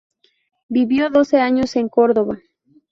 Vivió doce años en Córdoba.